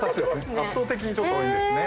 圧倒的にちょっと多いんですね。